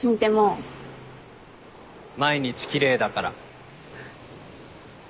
毎日奇麗だから。